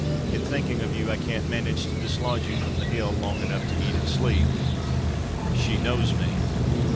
In thinking of you I can't manage to dislodge you from the hill long enough to eat and sleep.' She knows me!